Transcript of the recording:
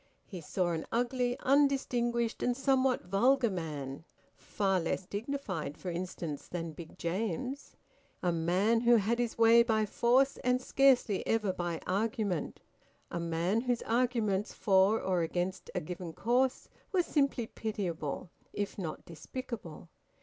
He saw an ugly, undistinguished, and somewhat vulgar man (far less dignified, for instance, than Big James); a man who had his way by force and scarcely ever by argument; a man whose arguments for or against a given course were simply pitiable, if not despicable.